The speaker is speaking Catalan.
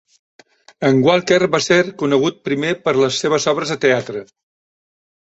En Walker va ser conegut primer per les seves obres de teatre.